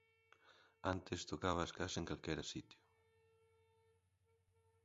Antes tocabas case en calquera sitio.